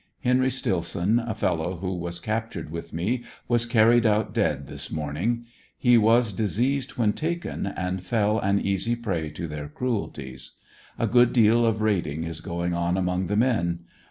Henry Stilson, a fellow who was captured with me, was carried out dead this morning He was diseased when taken, and fell an easy prey to their cruelties. A good deal of raiding is going on among the men.